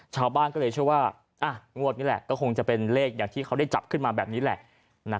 ชาวบ้านก็เลยเชื่อว่างวดนี้แหละก็คงจะเป็นเลขอย่างที่เขาได้จับขึ้นมาแบบนี้แหละ